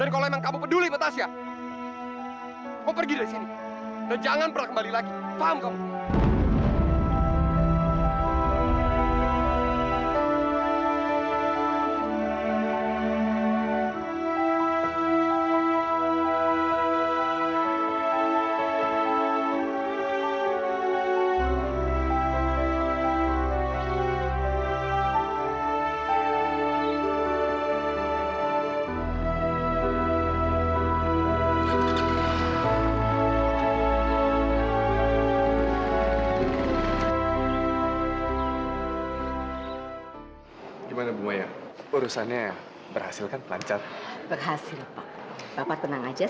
kita akan berjuang sendiri untuk mempertahankan kampung ini